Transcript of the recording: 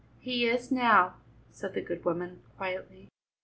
"He is now," said the good woman quietly.